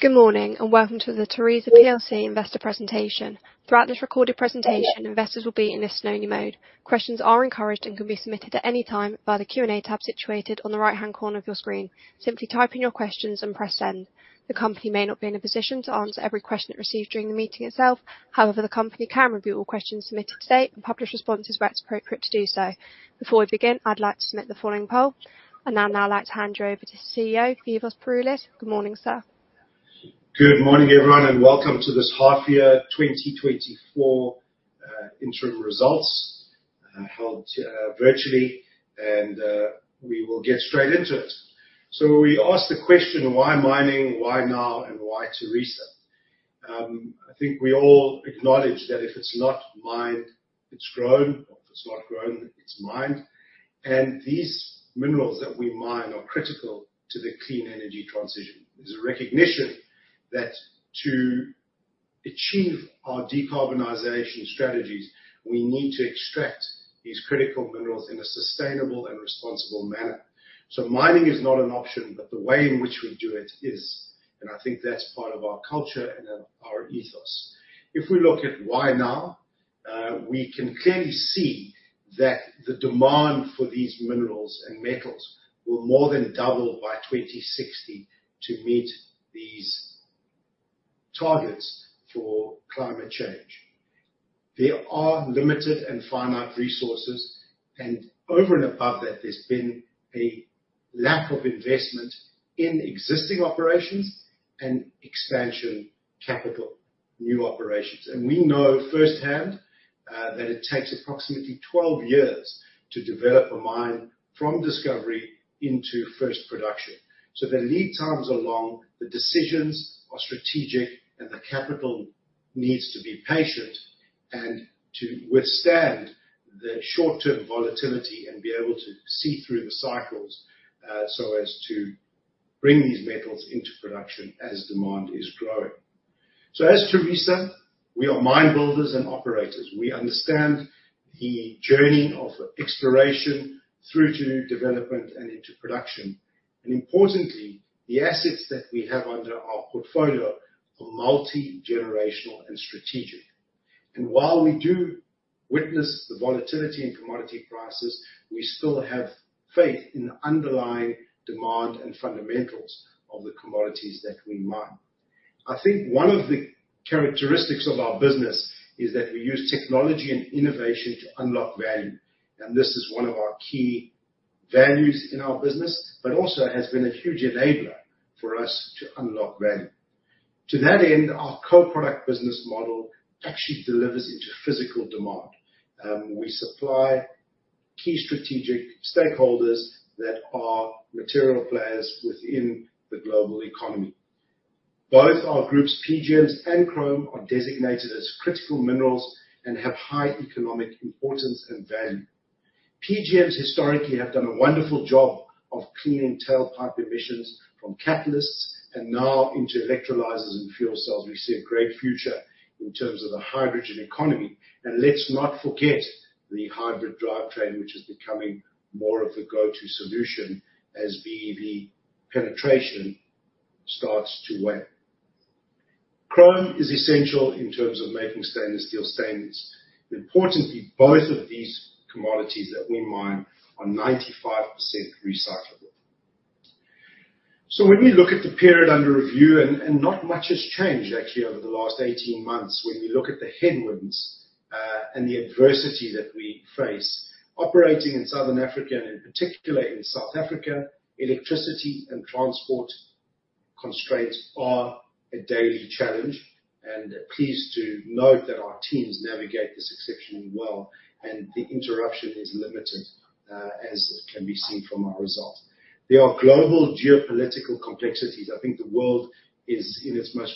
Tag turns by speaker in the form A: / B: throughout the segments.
A: Good morning, welcome to the Tharisa plc Investor Presentation. Throughout this recorded presentation, investors will be in a listen-only mode. Questions are encouraged and can be submitted at any time via the Q&A tab situated on the right-hand corner of your screen. Simply type in your questions and press send. The company may not be in a position to answer every question it receives during the meeting itself. However, the company can review all questions submitted today and publish responses where it's appropriate to do so. Before we begin, I'd like to submit the following poll. I'd now like to hand you over to CEO Phoevos Pouroulis. Good morning, sir.
B: Good morning, everyone, welcome to this half year 2024 interim results, held virtually. We will get straight into it. We ask the question, why mining, why now, why Tharisa? I think we all acknowledge that if it's not mined, it's grown. If it's not grown, it's mined. These minerals that we mine are critical to the clean energy transition. There's a recognition that to achieve our decarbonization strategies, we need to extract these critical minerals in a sustainable and responsible manner. Mining is not an option, but the way in which we do it is. I think that's part of our culture and our ethos. If we look at why now, we can clearly see that the demand for these minerals and metals will more than double by 2060 to meet these targets for climate change. There are limited and finite resources. Over and above that, there's been a lack of investment in existing operations and expansion capital, new operations. We know firsthand that it takes approximately 12 years to develop a mine from discovery into first production. The lead times are long, the decisions are strategic, and the capital needs to be patient and to withstand the short-term volatility and be able to see through the cycles, so as to bring these metals into production as demand is growing. As Tharisa, we are mine builders and operators. We understand the journey of exploration through to development and into production. Importantly, the assets that we have under our portfolio are multi-generational and strategic. While we do witness the volatility in commodity prices, we still have faith in the underlying demand and fundamentals of the commodities that we mine. I think one of the characteristics of our business is that we use technology and innovation to unlock value, and this is one of our key values in our business, but also has been a huge enabler for us to unlock value. To that end, our co-product business model actually delivers into physical demand. We supply key strategic stakeholders that are material players within the global economy. Both our group's PGMs and chrome are designated as critical minerals and have high economic importance and value. PGMs historically have done a wonderful job of cleaning tailpipe emissions from catalysts and now into electrolyzers and fuel cells. We see a great future in terms of the hydrogen economy. Let's not forget the hybrid drivetrain, which is becoming more of the go-to solution as BEV penetration starts to wane. Chrome is essential in terms of making stainless steel stainless. Importantly, both of these commodities that we mine are 95% recyclable. When we look at the period under review, not much has changed actually over the last 18 months when we look at the headwinds, and the adversity that we face. Operating in Southern Africa and in particular in South Africa, electricity and transport constraints are a daily challenge. Pleased to note that our teams navigate this exceptionally well and the interruption is limited, as can be seen from our results. There are global geopolitical complexities. I think the world is in its most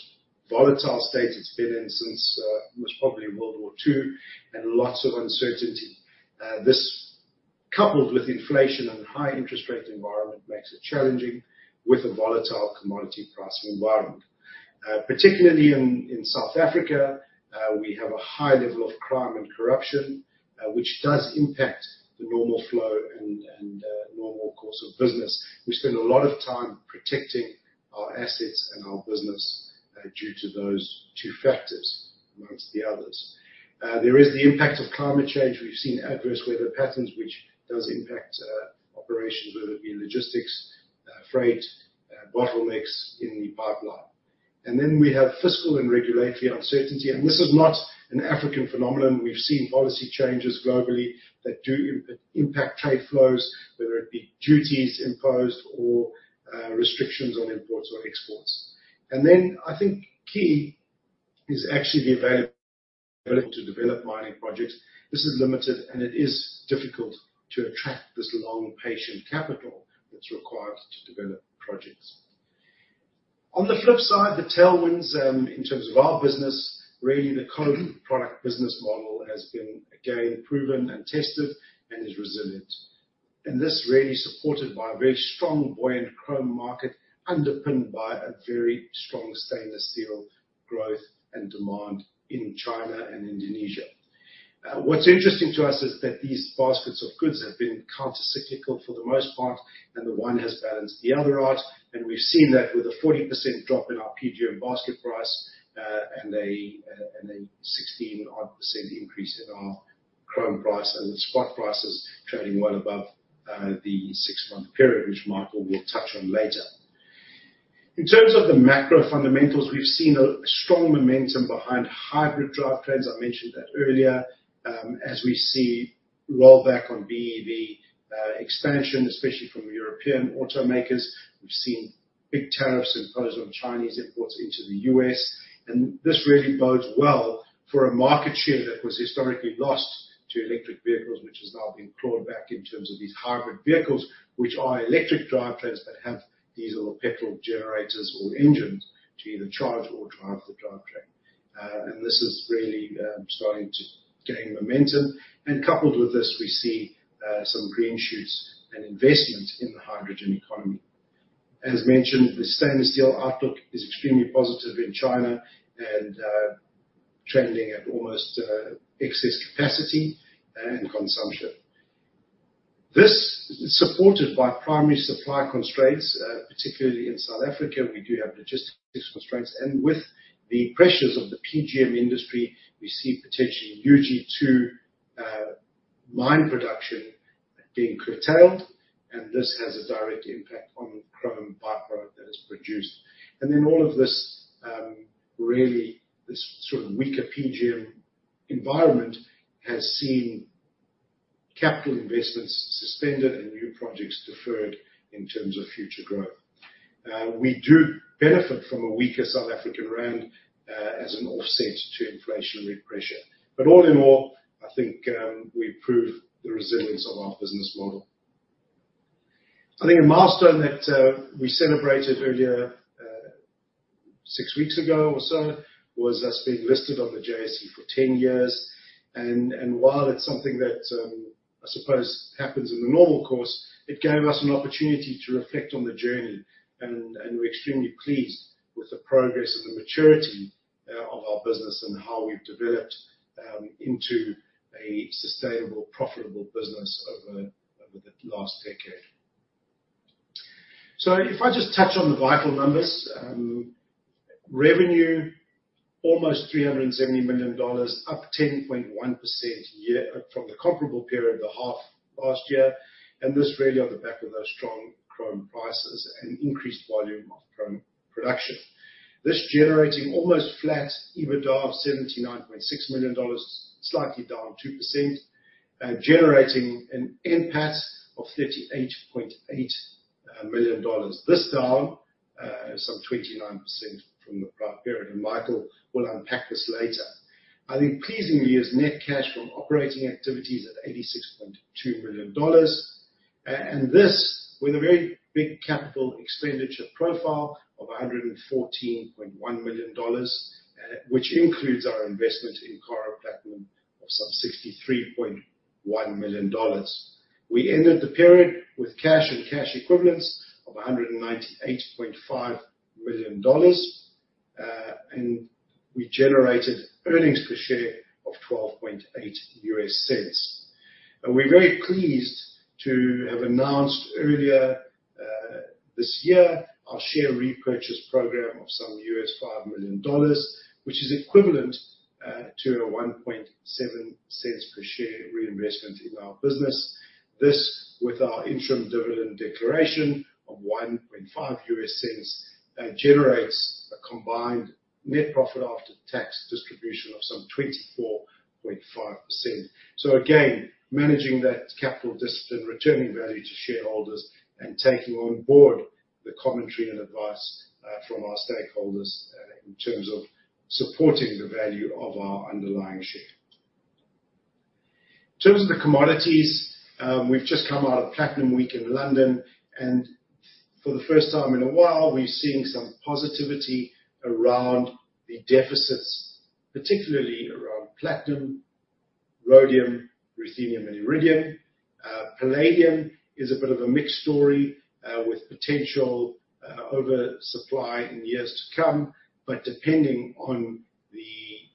B: volatile state it's been in since, most probably World War II and lots of uncertainty. This coupled with inflation and high interest rate environment makes it challenging with a volatile commodity pricing environment. Particularly in South Africa, we have a high level of crime and corruption, which does impact the normal flow and normal course of business. We spend a lot of time protecting our assets and our business due to those two factors amongst the others. There is the impact of climate change. We've seen adverse weather patterns which does impact operations, whether it be logistics, freight, bottlenecks in the pipeline. We have fiscal and regulatory uncertainty, and this is not an African phenomenon. We've seen policy changes globally that do impact trade flows, whether it be duties imposed or restrictions on imports or exports. I think key is actually the availability to develop mining projects. This is limited and it is difficult to attract this long, patient capital that's required to develop projects. On the flip side, the tailwinds in terms of our business, really the co-product business model has been again proven and tested and is resilient. This really supported by a very strong buoyant chrome market underpinned by a very strong stainless steel growth and demand in China and Indonesia. What's interesting to us is that these baskets of goods have been counter-cyclical for the most part, and the one has balanced the other out. We've seen that with a 40% drop in our PGM basket price, and a 16-odd % increase in our chrome price as the spot price is trading well above the six-month period, which Michael will touch on later. In terms of the macro fundamentals, we've seen a strong momentum behind hybrid drivetrains. I mentioned that earlier. As we see rollback on BEV expansion, especially from European automakers. We've seen big tariffs imposed on Chinese imports into the U.S., and this really bodes well for a market share that was historically lost to electric vehicles, which has now been clawed back in terms of these hybrid vehicles, which are electric drivetrains that have diesel or petrol generators or engines to either charge or drive the drivetrain. This is really starting to gain momentum. Coupled with this, we see some green shoots and investment in the hydrogen economy. As mentioned, the stainless steel outlook is extremely positive in China and trending at almost excess capacity and consumption. This is supported by primary supply constraints, particularly in South Africa. We do have logistics constraints. With the pressures of the PGM industry, we see potentially UG2 mine production being curtailed, and this has a direct impact on the chrome by-product that is produced. All of this really, this sort of weaker PGM environment has seen capital investments suspended and new projects deferred in terms of future growth. We do benefit from a weaker South African rand as an offset to inflationary pressure. All in all, I think we prove the resilience of our business model. I think a milestone that we celebrated earlier, 6 weeks ago or so, was us being listed on the JSE for 10 years. While it's something that, I suppose happens in the normal course, it gave us an opportunity to reflect on the journey, and we're extremely pleased with the progress and the maturity of our business and how we've developed into a sustainable, profitable business over the last decade. If I just touch on the vital numbers. Revenue, almost $370 million, up 10.1% year-over- from the comparable period the half last year. This really on the back of those strong chrome prices and increased volume of chrome production. This generating almost flat EBITDA of $79.6 million, slightly down 2%, generating an NPAT of $38.8 million. This down some 29% from the prior period, and Michael will unpack this later. I think pleasingly is net cash from operating activities at $86.2 million. This with a very big capital expenditure profile of $114.1 million, which includes our investment in Karo Platinum of some $63.1 million. We ended the period with cash and cash equivalents of $198.5 million, and we generated earnings per share of $0.128. We're very pleased to have announced earlier this year our share repurchase program of some US $5 million, which is equivalent to a $0.017 per share reinvestment in our business. This, with our interim dividend declaration of $0.015, generates a combined net profit after tax distribution of some 24.5%. Again, managing that capital discipline, returning value to shareholders, and taking on board the commentary and advice from our stakeholders in terms of supporting the value of our underlying share. In terms of the commodities, we've just come out of Platinum Week in London. For the first time in a while, we're seeing some positivity around the deficits, particularly around platinum, rhodium, ruthenium, and iridium. Palladium is a bit of a mixed story with potential oversupply in years to come. Depending on the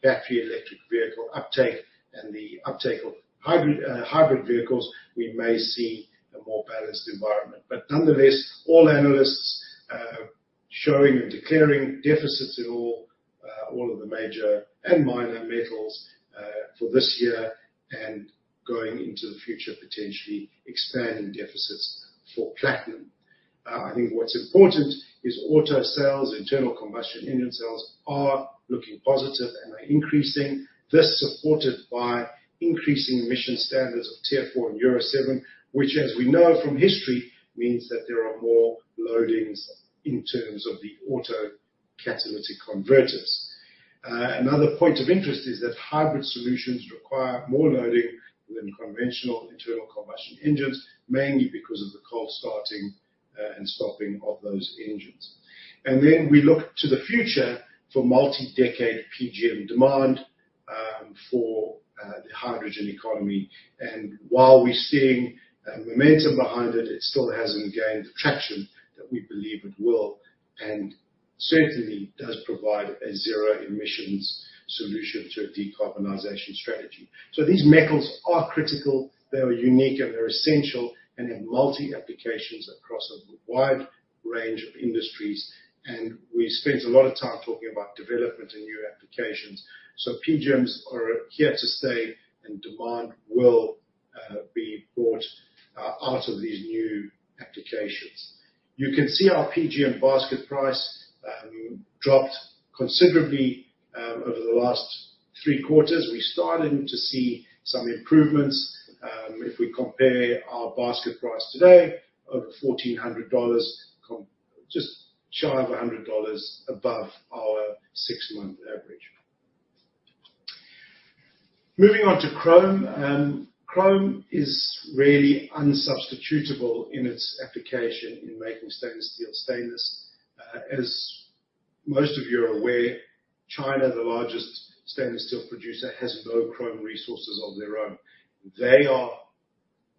B: battery electric vehicle uptake and the uptake of hybrid vehicles, we may see a more balanced environment. Nonetheless, all analysts showing and declaring deficits in all of the major and minor metals for this year and going into the future, potentially expanding deficits for platinum. I think what's important is auto sales, internal combustion engine sales are looking positive and are increasing. This supported by increasing emission standards of Tier 4 and Euro 7, which as we know from history, means that there are more loadings in terms of the auto catalytic converters. Another point of interest is that hybrid solutions require more loading than conventional internal combustion engines, mainly because of the cold starting and stopping of those engines. We look to the future for multi-decade PGM demand for the hydrogen economy. While we're seeing momentum behind it still hasn't gained the traction that we believe it will. Certainly does provide a zero emissions solution to a decarbonization strategy. These metals are critical, they are unique, and they're essential and have multi-applications across a wide range of industries. We spent a lot of time talking about development and new applications. PGMs are here to stay and demand will be brought out of these new applications. You can see our PGM basket price dropped considerably over the last three quarters. We're starting to see some improvements. If we compare our basket price today over $1,400, just shy of $100 above our six-month average. Moving on to chrome. Chrome is really unsubstitutable in its application in making stainless steel stainless. As most of you are aware, China, the largest stainless steel producer, has no chrome resources of their own. They are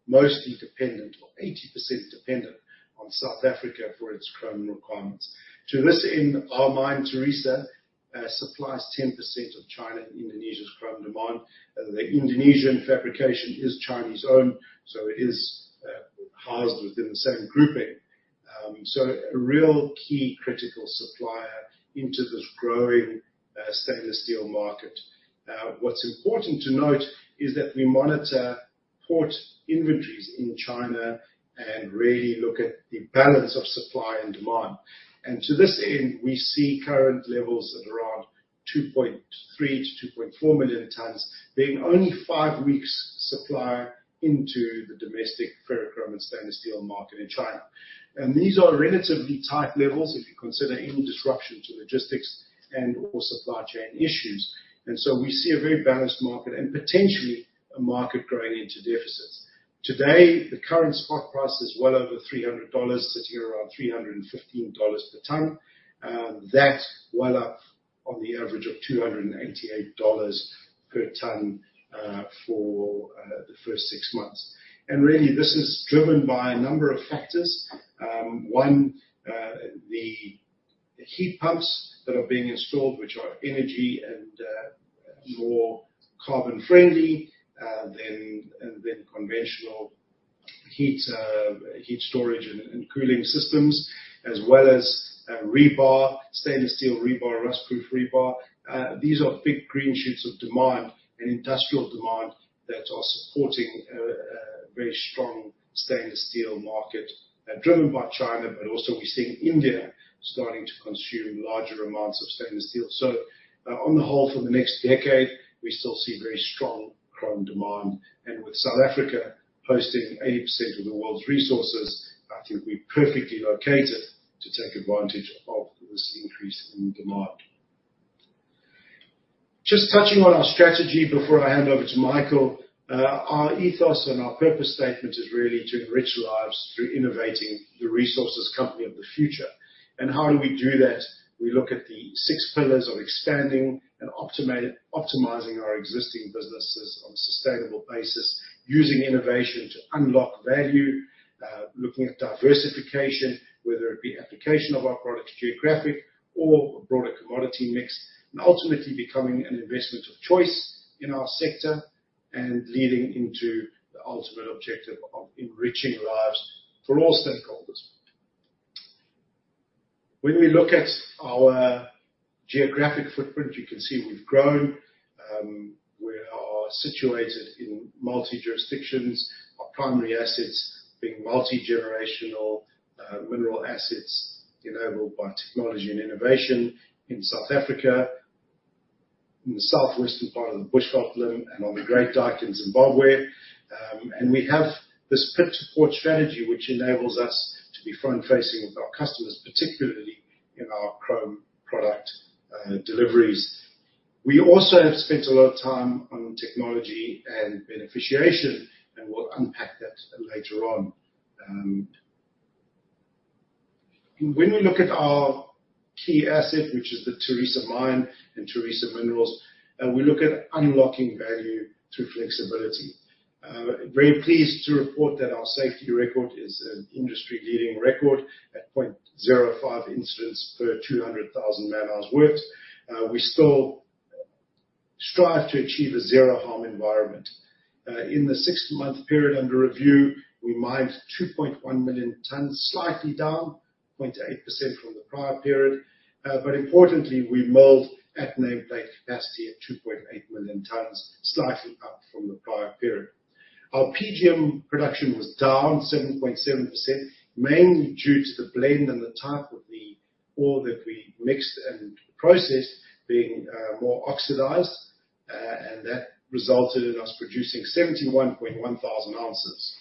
B: mostly dependent, or 80% dependent on South Africa for its chrome requirements. To this end, our mine, Tharisa, supplies 10% of China and Indonesia's chrome demand. The Indonesian fabrication is Chinese-owned, so it is housed within the same grouping. A real key critical supplier into this growing stainless steel market. What's important to note is that we monitor port inventories in China and really look at the balance of supply and demand. To this end, we see current levels at around 2.3 million-2.4 million tons, being only five weeks supply into the domestic ferrochrome and stainless steel market in China. These are relatively tight levels if you consider any disruption to logistics and/or supply chain issues. We see a very balanced market and potentially a market growing into deficits. Today, the current spot price is well over $300, sitting around $315 per ton. That's well up on the average of $288 per ton, for the first six months. Really this is driven by a number of factors. One, the heat pumps that are being installed, which are energy and more carbon friendly than conventional heat storage and cooling systems, as well as rebar, stainless steel rebar, rust-proof rebar. These are big green shoots of demand and industrial demand that are supporting a very strong stainless steel market driven by China, but also we're seeing India starting to consume larger amounts of stainless steel. On the whole, for the next decade, we still see very strong chrome demand. With South Africa hosting 80% of the world's resources, I think we're perfectly located to take advantage of this increase in demand. Just touching on our strategy before I hand over to Michael. Our ethos and our purpose statement is really to enrich lives through innovating the resources company of the future. How do we do that? We look at the six pillars of expanding and optimizing our existing businesses on a sustainable basis, using innovation to unlock value, looking at diversification, whether it be application of our product geographic or a broader commodity mix, and ultimately becoming an investment of choice in our sector. Leading into the ultimate objective of enriching lives for all stakeholders. When we look at our geographic footprint, you can see we've grown. We are situated in multi jurisdictions. Our primary assets being multi-generational mineral assets enabled by technology and innovation in South Africa, in the southwestern part of the Bushveld Igneous Complex and on the Great Dyke in Zimbabwe. We have this pit to port strategy, which enables us to be front facing with our customers, particularly in our chrome product deliveries. We also have spent a lot of time on technology and beneficiation, and we will unpack that later on. When we look at our key asset, which is the Tharisa Mine and Tharisa Minerals, we look at unlocking value through flexibility. Very pleased to report that our safety record is an industry-leading record at 0.05 incidents per 200,000 man-hours worked. We still strive to achieve a zero-harm environment. In the six-month period under review, we mined 2.1 million tons, slightly down 0.8% from the prior period. But importantly, we milled at nameplate capacity at 2.8 million tons, slightly up from the prior period. Our PGM production was down 7.7%, mainly due to the blend and the type of the ore that we mixed and processed being more oxidized, and that resulted in us producing 71.1 thousand ounces.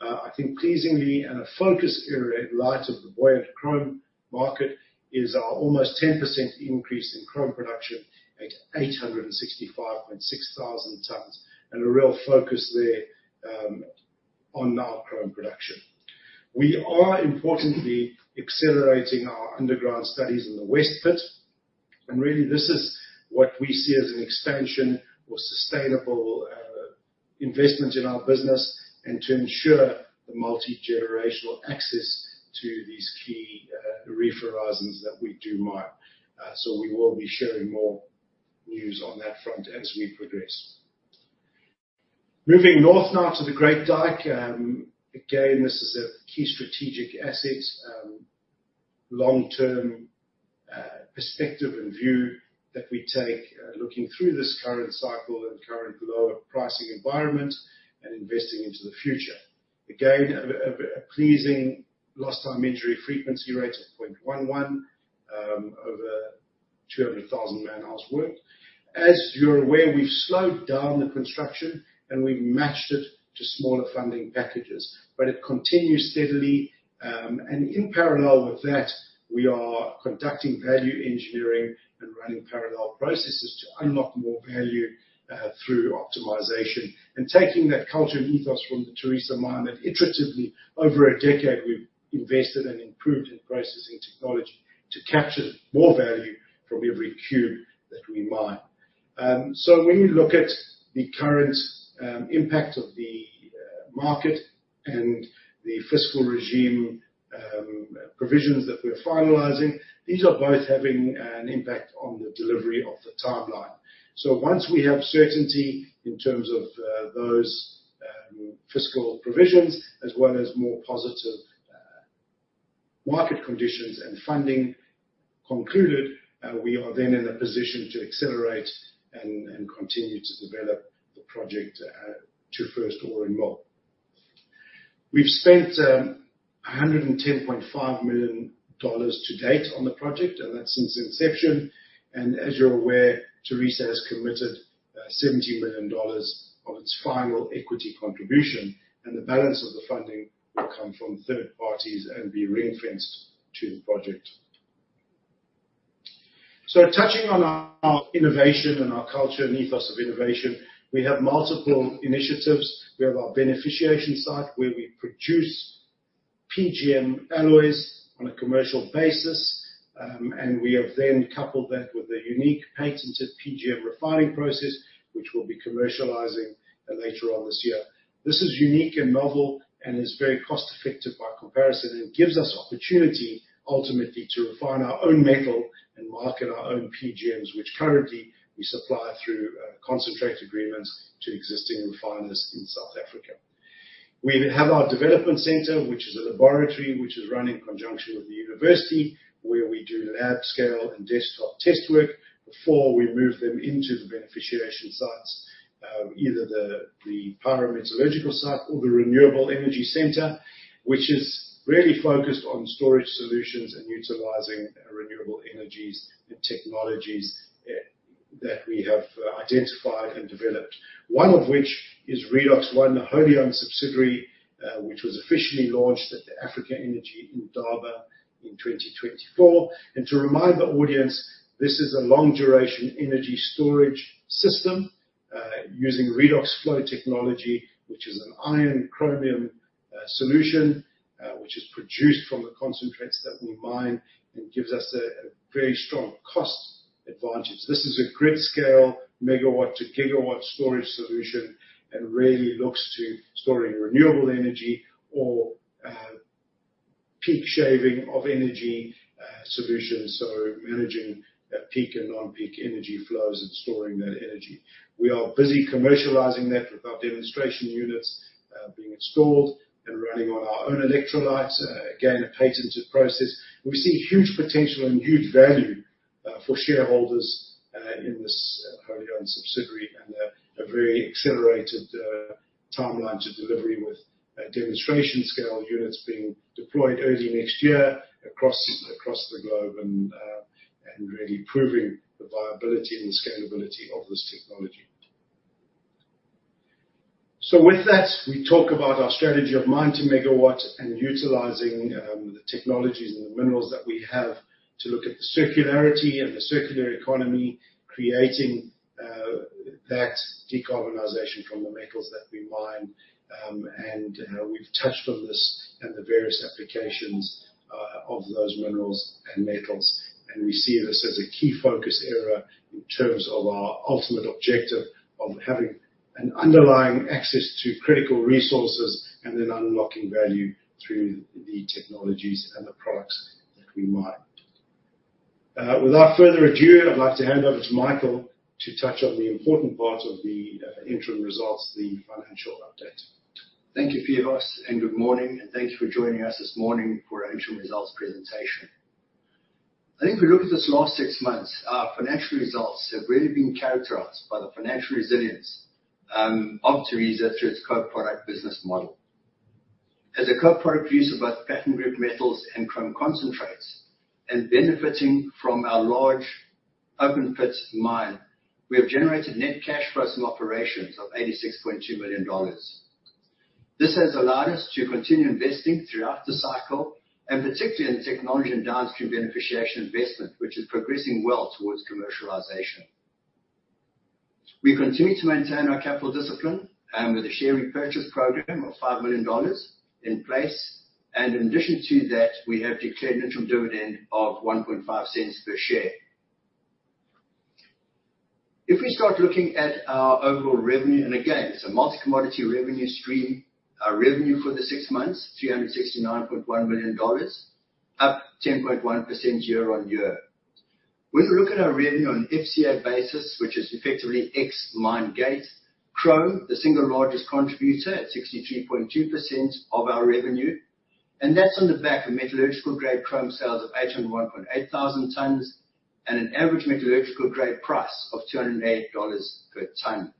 B: I think pleasingly and a focus area in light of the buoyant chrome market is our almost 10% increase in chrome production at 865.6 thousand tons and a real focus there on our chrome production. We are importantly accelerating our underground studies in the West Pit, and really this is what we see as an expansion or sustainable investments in our business and to ensure the multi-generational access to these key reef horizons that we do mine. We will be sharing more news on that front as we progress. Moving north now to the Great Dyke. Again, this is a key strategic asset, long-term perspective and view that we take, looking through this current cycle and current lower pricing environment and investing into the future. Again, a pleasing lost time injury frequency rate of 0.11 over 200,000 man-hours worked. As you are aware, we have slowed down the construction and we have matched it to smaller funding packages, but it continues steadily. And in parallel with that, we are conducting value engineering and running parallel processes to unlock more value through optimization and taking that culture and ethos from the Tharisa Mine that iteratively over a decade we have invested and improved in processing technology to capture more value from every cube that we mine. When you look at the current impact of the market and the fiscal regime provisions that we are finalizing, these are both having an impact on the delivery of the timeline. Once we have certainty in terms of those fiscal provisions as well as more positive market conditions and funding concluded, we are then in a position to accelerate and continue to develop the project to first ore and mill. We have spent $110.5 million to date on the project, and that is since inception. And as you are aware, Tharisa has committed $70 million of its final equity contribution, and the balance of the funding will come from third parties and be ring-fenced to the project. Touching on our innovation and our culture and ethos of innovation, we have multiple initiatives. We have our beneficiation site where we produce PGM alloys on a commercial basis. And we have then coupled that with a unique patented PGM refining process, which we will be commercializing later on this year. This is unique and novel and is very cost-effective by comparison and gives us opportunity ultimately to refine our own metal and market our own PGMs, which currently we supply through concentrate agreements to existing refiners in South Africa. We have our development center, which is a laboratory which is run in conjunction with the university, where we do lab scale and desktop test work before we move them into the beneficiation sites. Either the pyrometallurgical site or the Renewable Energy Center, which is really focused on storage solutions and utilizing renewable energies and technologies that we have identified and developed. One of which is Redox One, a wholly owned subsidiary, which was officially launched at the Africa Energy Indaba in 2024. To remind the audience, this is a long-duration energy storage system, using redox flow technology, which is an iron-chromium solution, which is produced from the concentrates that we mine and gives us a very strong cost advantage. This is a grid-scale megawatt-to-gigawatt storage solution and really looks to storing renewable energy or peak shaving of energy solutions, so managing peak and non-peak energy flows and storing that energy. We are busy commercializing that with our demonstration units being installed and running on our own electrolytes. Again, a patented process. We see huge potential and huge value for shareholders in this wholly owned subsidiary and a very accelerated timeline to delivery with demonstration scale units being deployed early next year across the globe and really proving the viability and scalability of this technology. With that, we talk about our strategy of mine to megawatt and utilizing the technologies and the minerals that we have to look at the circularity and the circular economy creating that decarbonization from the metals that we mine. We've touched on this and the various applications of those minerals and metals, and we see this as a key focus area in terms of our ultimate objective of having an underlying access to critical resources and then unlocking value through the technologies and the products that we mine. Without further ado, I'd like to hand over to Michael to touch on the important part of the interim results, the financial update.
C: Thank you, Phoevos, good morning, and thanks for joining us this morning for our interim results presentation. I think if we look at this last six months, our financial results have really been characterized by the financial resilience of Tharisa through its co-product business model. As a co-product producer of both platinum group metals and chrome concentrates and benefiting from our large open-pit mine, we have generated net cash from operations of $86.2 million. This has allowed us to continue investing throughout the cycle, and particularly in the technology and downstream beneficiation investment, which is progressing well towards commercialization. We continue to maintain our capital discipline, with a share repurchase program of $5 million in place. In addition to that, we have declared interim dividend of $0.015 per share. If we start looking at our overall revenue, again, it's a multi-commodity revenue stream. Our revenue for the six months, $369.1 million, up 10.1% year-on-year. We look at our revenue on an FCA basis, which is effectively ex-mine-gate, chrome, the single largest contributor at 63.2% of our revenue. That's on the back of metallurgical grade chrome sales of 801.8 thousand tons and an average metallurgical grade price of $208 per ton.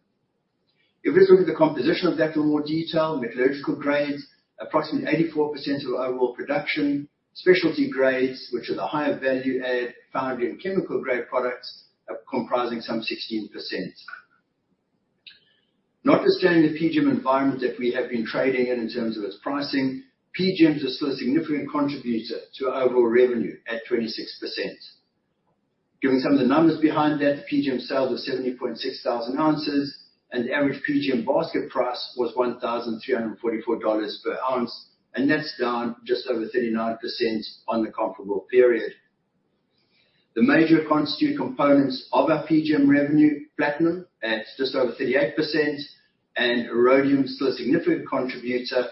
C: We look at the composition of that in more detail, metallurgical grades, approximately 84% of overall production. Specialty grades, which are the higher value add foundry and chemical grade products, are comprising some 16%. Notwithstanding the PGM environment that we have been trading in in terms of its pricing, PGMs are still a significant contributor to our overall revenue at 26%. Giving some of the numbers behind that, the PGM sales was 70.6 thousand ounces. The average PGM basket price was $1,344 per ounce. That's down just over 39% on the comparable period. The major constituent components of our PGM revenue, platinum at just over 38%. Rhodium is still a significant contributor.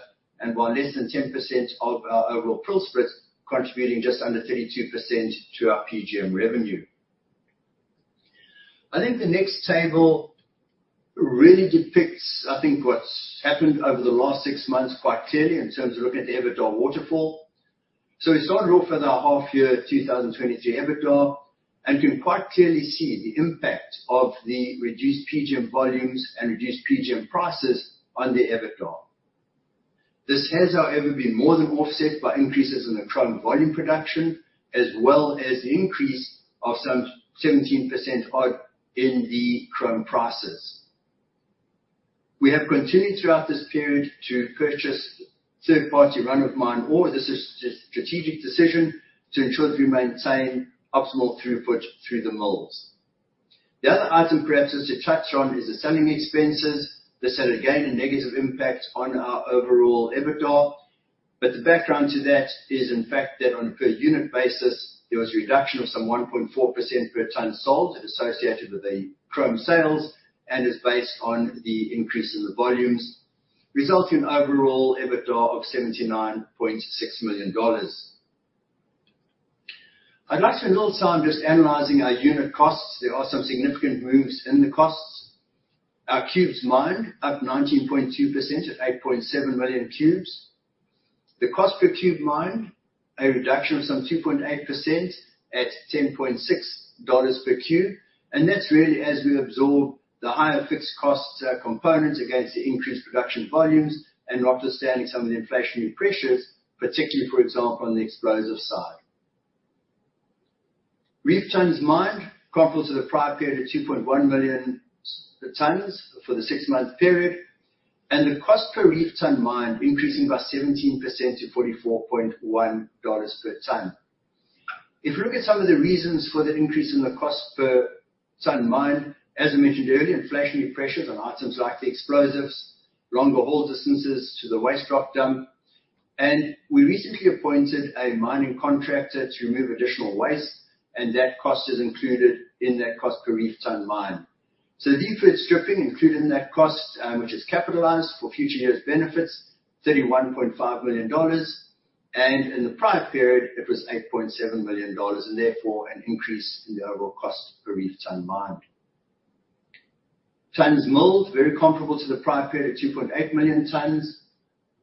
C: While less than 10% of our overall prill split is contributing just under 32% to our PGM revenue. The next table really depicts what's happened over the last six months quite clearly in terms of looking at the EBITDA waterfall. We start off with our half-year 2023 EBITDA. Can quite clearly see the impact of the reduced PGM volumes and reduced PGM prices on the EBITDA. This has, however, been more than offset by increases in the chrome volume production, as well as the increase of some 17% odd in the chrome prices. We have continued throughout this period to purchase third-party run-of-mine ore. This is a strategic decision to ensure that we maintain optimal throughput through the mills. The other item perhaps which to touch on is the selling expenses. This had, again, a negative impact on our overall EBITDA. The background to that is, in fact, that on a per unit basis, there was a reduction of some 1.4% per ton sold associated with the chrome sales and is based on the increase in the volumes, resulting in overall EBITDA of $79.6 million. I'd like to spend a little time just analyzing our unit costs. There are some significant moves in the costs. Our cubes mined up 19.2% at 8.7 million cubes. The cost per cube mined, a reduction of some 2.8% at $10.60 per cube. That's really as we absorb the higher fixed cost components against the increased production volumes and notwithstanding some of the inflationary pressures, particularly for example, on the explosive side. Reef tons mined, comparable to the prior period at 2.1 million tons for the six-month period. The cost per reef ton mined increasing by 17% to $44.10 per ton. We look at some of the reasons for the increase in the cost per ton mined, as I mentioned earlier, inflationary pressures on items like the explosives, longer haul distances to the waste rock dump. We recently appointed a mining contractor to remove additional waste, and that cost is included in that cost per reef ton mined. The inferred stripping included in that cost, which is capitalized for future years' benefits, $31.5 million. In the prior period it was $8.7 million, therefore an increase in the overall cost per reef ton mined. Tonnes milled, very comparable to the prior period at 2.8 million tonnes.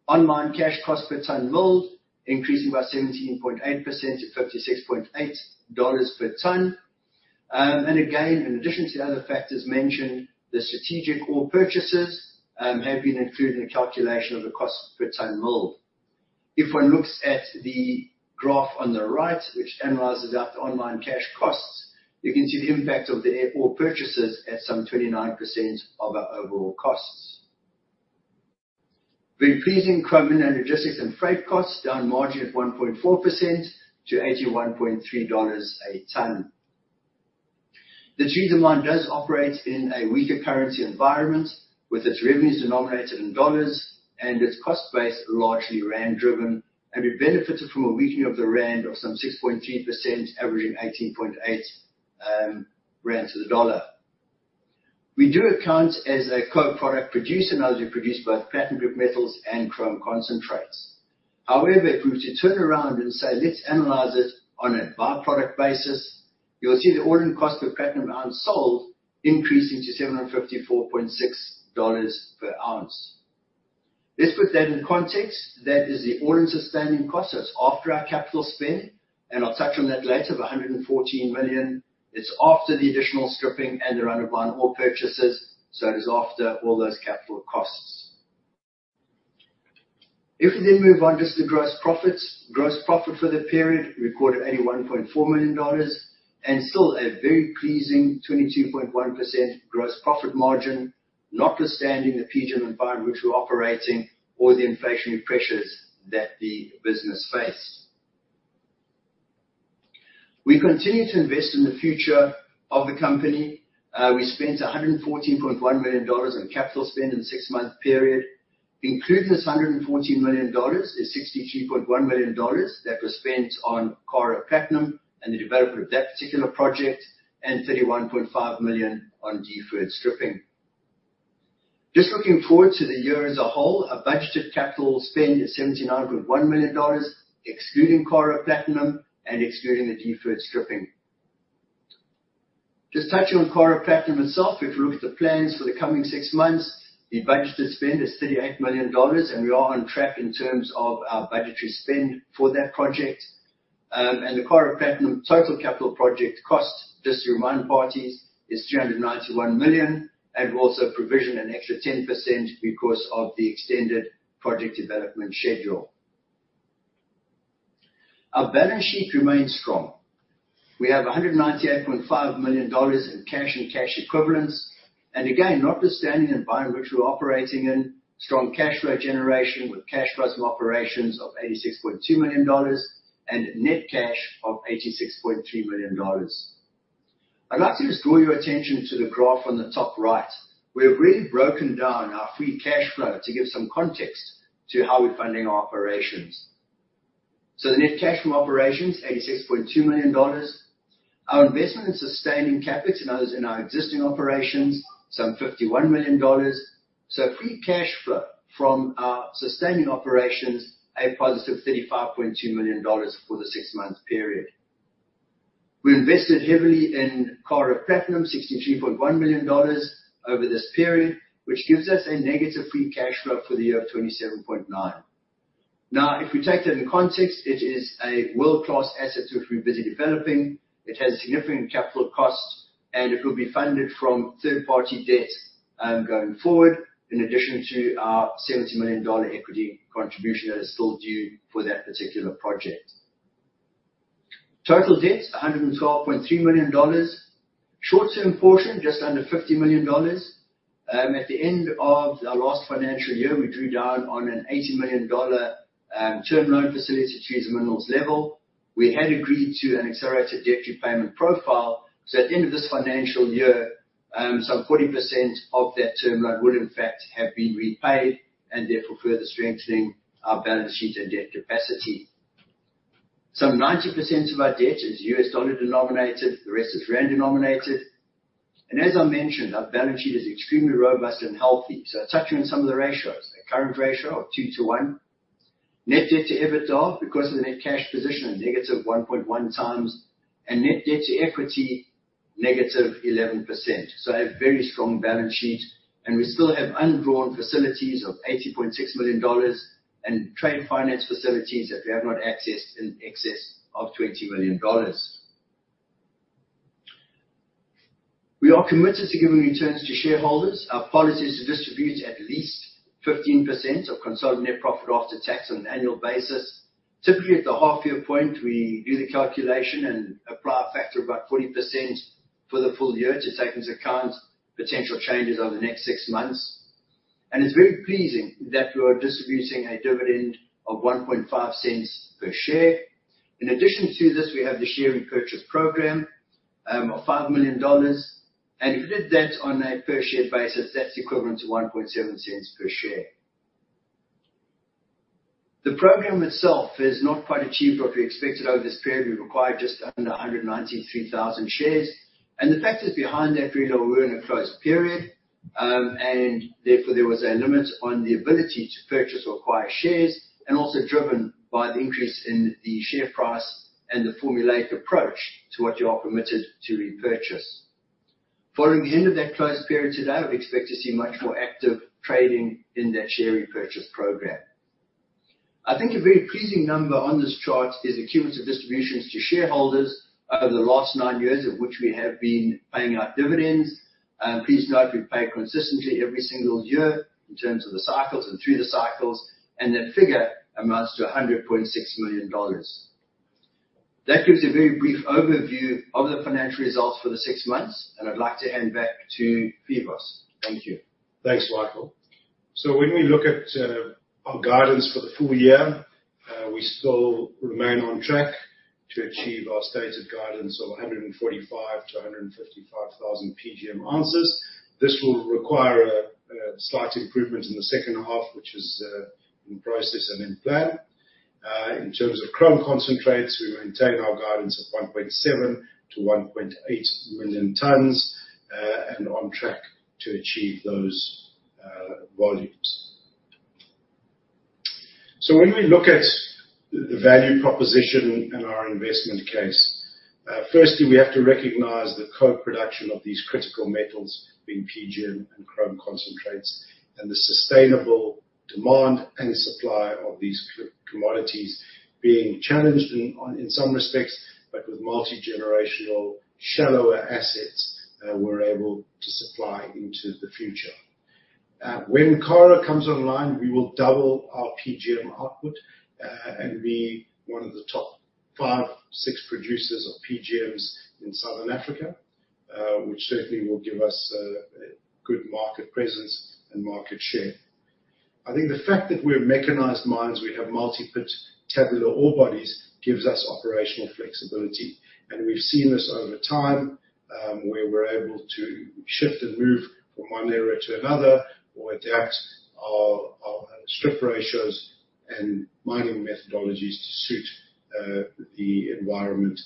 C: On-mine cash cost per tonne milled increasing by 17.8% to $56.80 per tonne. Again, in addition to the other factors mentioned, the strategic ore purchases have been included in the calculation of the cost per tonne milled. One looks at the graph on the right, which analyzes out the on-mine cash costs, you can see the impact of the ore purchases at some 25% of our overall costs. Very pleasing chrome mined and logistics and freight costs down marginally at 1.4% to $81.30 a tonne. The Tharisa Mine does operate in a weaker currency environment with its revenues denominated in dollars and its cost base largely rand-driven. We benefited from a weakening of the ZAR of some 6.3%, averaging 18.8 rand to the dollar. We do account as a co-product producer, now that we produce both platinum group metals and chrome concentrates. However, if we were to turn around and say, let's analyze it on a by-product basis, you'll see the all-in cost per platinum ounce sold increasing to $754.60 per ounce. Let's put that in context. That is the all-in sustaining cost. It's after our capital spend, and I'll touch on that later, of $114 million. It's after the additional stripping and the run-of-mine ore purchases. It is after all those capital costs. We then move on just to gross profits. Gross profit for the period we recorded $81.4 million, still a very pleasing 22.1% gross profit margin, notwithstanding the PGM environment which we're operating or the inflationary pressures that the business face. We continue to invest in the future of the company. We spent $114.1 million on capital spend in the six-month period. Including this $114 million is $63.1 million that was spent on Karo Platinum and the development of that particular project and $31.5 million on deferred stripping. Looking forward to the year as a whole, our budgeted capital spend is $79.1 million, excluding Karo Platinum and excluding the deferred stripping. Touching on Karo Platinum itself, we look at the plans for the coming six months, the budgeted spend is $38 million and we are on track in terms of our budgetary spend for that project. The Karo Platinum total capital project cost, just to remind parties, is $391 million, we also provision an extra 10% because of the extended project development schedule. Our balance sheet remains strong. We have $198.5 million in cash and cash equivalents, again, notwithstanding the environment which we're operating in, strong cash flow generation with cash flows from operations of $86.2 million and net cash of $86.3 million. I'd like to just draw your attention to the graph on the top right. We have really broken down our free cash flow to give some context to how we're funding our operations. The net cash from operations, $86.2 million. Our investment in sustaining CapEx in our existing operations, some $51 million. Free cash flow from our sustaining operations, a positive $35.2 million for the six months period. We invested heavily in Karo Platinum, $63.1 million over this period, which gives us a negative free cash flow for the year of $27.9 million. Now, if we take that in context, it is a world-class asset which we are busy developing. It has significant capital costs, and it will be funded from third-party debt, going forward, in addition to our $70 million equity contribution that is still due for that particular project. Total debt, $112.3 million. Short-term portion, just under $50 million. At the end of our last financial year, we drew down on an $80 million term loan facility to Tharisa Minerals level. We had agreed to an accelerated debt repayment profile, so at the end of this financial year, some 40% of that term loan would in fact have been repaid, and therefore further strengthening our balance sheet and debt capacity. Some 90% of our debt is U.S. dollar-denominated, the rest is ZAR-denominated. As I mentioned, our balance sheet is extremely robust and healthy, so I will touch on some of the ratios. The current ratio of two to one. Net debt to EBITDA, because of the net cash position, -1.1 times. Net debt to equity, -11%. So a very strong balance sheet. We still have undrawn facilities of $80.6 million in trade finance facilities that we have not accessed in excess of $20 million. We are committed to giving returns to shareholders. Our policy is to distribute at least 15% of consolidated net profit after tax on an annual basis. Typically, at the half-year point, we do the calculation and apply a factor of about 40% for the full year to take into account potential changes over the next six months. It is very pleasing that we are distributing a dividend of $0.015 per share. In addition to this, we have the share repurchase program of $5 million. If you did that on a per share basis, that is equivalent to $0.017 per share. The program itself has not quite achieved what we expected over this period. We required just under 193,000 shares. The factors behind that really were we are in a closed period, and therefore, there was a limit on the ability to purchase or acquire shares, and also driven by the increase in the share price and the formulaic approach to what you are permitted to repurchase. Following the end of that closed period today, we expect to see much more active trading in that share repurchase program. I think a very pleasing number on this chart is accumulative distributions to shareholders over the last nine years of which we have been paying out dividends. Please note we pay consistently every single year in terms of the cycles and through the cycles, and that figure amounts to $100.6 million. That gives a very brief overview of the financial results for the six months, and I would like to hand back to Phoevos. Thank you.
B: Thanks, Michael. When we look at our guidance for the full year, we still remain on track to achieve our stated guidance of 145,000-155,000 PGM ounces. This will require a slight improvement in the second half, which is in process and in plan. In terms of chrome concentrates, we maintain our guidance of 1.7 million-1.8 million tons, and on track to achieve those volumes. When we look at the value proposition in our investment case, firstly, we have to recognize the co-production of these critical metals being PGM and chrome concentrates, and the sustainable demand and supply of these commodities being challenged in some respects, but with multi-generational shallower assets that we're able to supply into the future. When Karo comes online, we will double our PGM output, and be one of the top 5-6 producers of PGMs in Southern Africa, which certainly will give us a good market presence and market share. I think the fact that we're mechanized mines, we have multi-pit tabular ore bodies, gives us operational flexibility, and we've seen this over time where we're able to shift and move from one area to another, or adapt our strip ratios and mining methodologies to suit the environment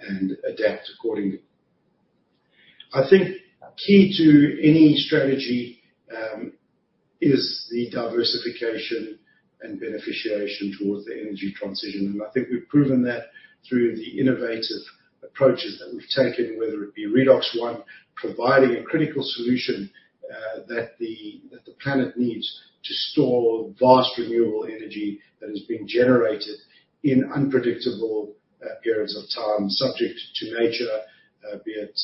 B: and adapt accordingly. I think key to any strategy is the diversification and beneficiation towards the energy transition, and I think we've proven that through the innovative approaches that we've taken, whether it be Redox One, providing a critical solution that the planet needs to store vast renewable energy that is being generated in unpredictable periods of time, subject to nature, be it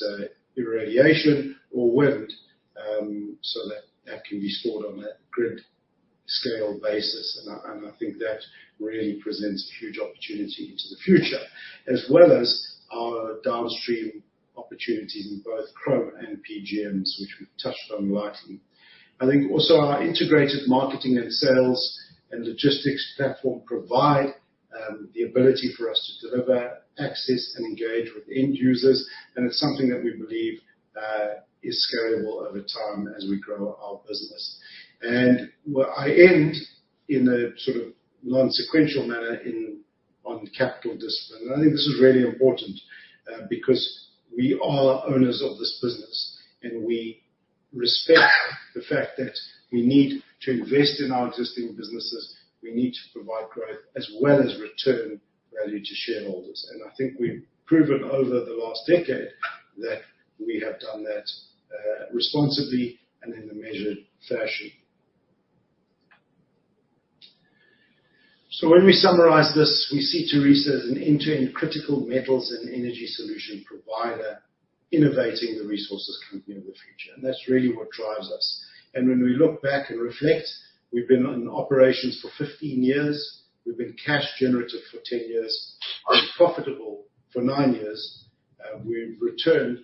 B: irradiation or wind, so that that can be stored on a grid scale basis. I think that really presents a huge opportunity to the future. As well as our downstream opportunities in both chrome and PGMs, which we've touched on lightly. I think also our integrated marketing and sales and logistics platform provide the ability for us to deliver access and engage with end users, and it's something that we believe is scalable over time as we grow our business. Where I end in a sort of non-sequential manner on capital discipline, and I think this is really important, because we are owners of this business, and we respect the fact that we need to invest in our existing businesses. We need to provide growth as well as return value to shareholders. I think we've proven over the last decade that we have done that responsibly and in a measured fashion. When we summarize this, we see Tharisa as an end-to-end critical metals and energy solution provider, innovating the resources company of the future. That's really what drives us. When we look back and reflect, we've been in operations for 15 years. We've been cash generative for 10 years, been profitable for nine years. We've returned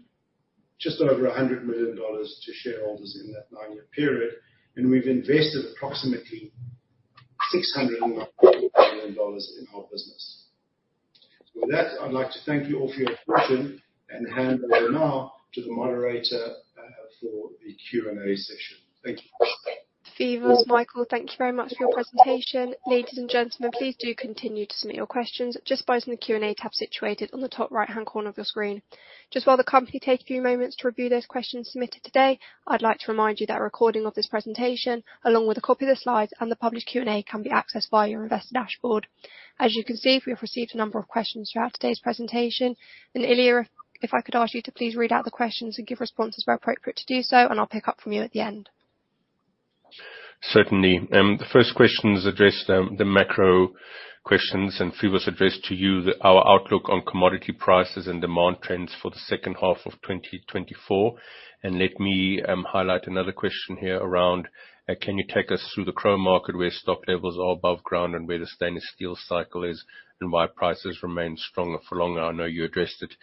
B: just over $100 million to shareholders in that nine-year period, and we've invested approximately $601 million in our business. With that, I'd like to thank you all for your attention and hand over now to the moderator for the Q&A session. Thank you.
A: Phoevos, Michael, thank you very much for your presentation. Ladies and gentlemen, please do continue to submit your questions just by using the Q&A tab situated on the top right-hand corner of your screen. While the company takes a few moments to review those questions submitted today, I'd like to remind you that a recording of this presentation, along with a copy of the slides and the published Q&A can be accessed via your investor dashboard. As you can see, we have received a number of questions throughout today's presentation, Ilja, if I could ask you to please read out the questions and give responses where appropriate to do so, and I'll pick up from you at the end.
D: Certainly. The first question is addressed the macro questions and Phoevos addressed to you our outlook on commodity prices and demand trends for the second half of 2024. Let me highlight another question here around, can you take us through the chrome market where stock levels are above ground and where the stainless steel cycle is and why prices remain stronger for longer? I know you addressed it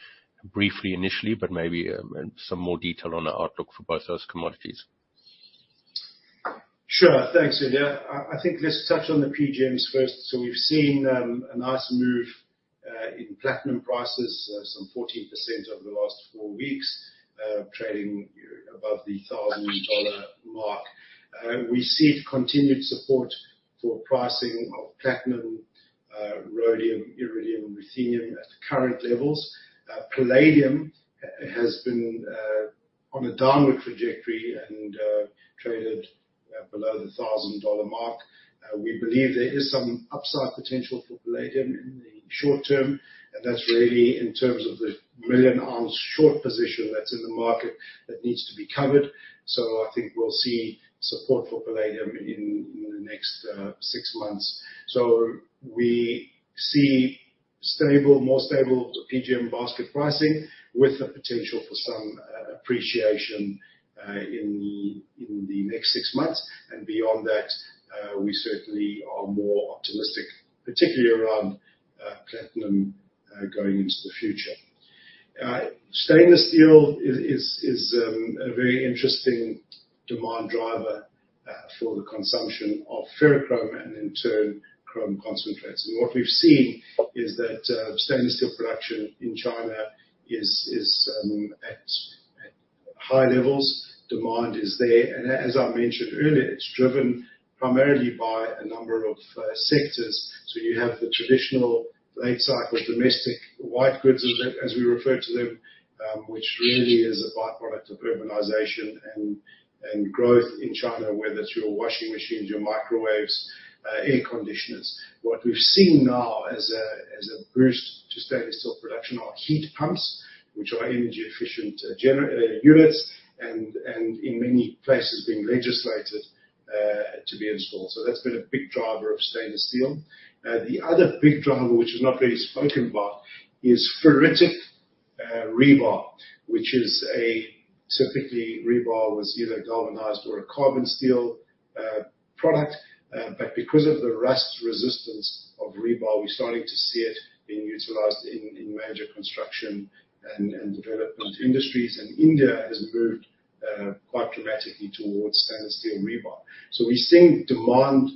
D: briefly initially, but maybe some more detail on the outlook for both those commodities.
B: Sure. Thanks, Ilja. I think let's touch on the PGMs first. We've seen a nice move in platinum prices, some 14% over the last four weeks, trading above the $1,000 mark. We see continued support for pricing of platinum, rhodium, iridium, ruthenium at the current levels. Palladium has been on a downward trajectory and traded below the $1,000 mark. We believe there is some upside potential for palladium in the short term. That's really in terms of the million ounce short position that's in the market that needs to be covered. I think we'll see support for palladium in the next six months. We see more stable PGM basket pricing with the potential for some appreciation in the next six months. Beyond that, we certainly are more optimistic, particularly around platinum going into the future. Stainless steel is a very interesting demand driver for the consumption of ferrochrome and in turn chrome concentrates. What we've seen is that stainless steel production in China is at high levels. Demand is there, as I mentioned earlier, it's driven primarily by a number of sectors. You have the traditional late cycle domestic white goods as we refer to them, which really is a byproduct of urbanization and growth in China, whether it's your washing machines, your microwaves, air conditioners. What we've seen now as a boost to stainless steel production are heat pumps, which are energy efficient units and in many places being legislated to be installed. That's been a big driver of stainless steel. The other big driver, which is not very spoken about, is ferritic rebar, which is typically rebar was either galvanized or a carbon steel product. Because of the rust resistance of rebar, we're starting to see it being utilized in major construction and development industries. India has moved quite dramatically towards stainless steel rebar. We're seeing demand